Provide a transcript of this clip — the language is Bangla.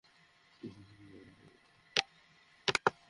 দাদাসাহেব ফালকে অনুষ্ঠানের সংবাদ সম্মেলনে অংশ নেওয়ার ফাঁকে তাঁদের দেখা হয়।